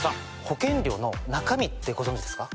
保険料の中身ってご存じですか？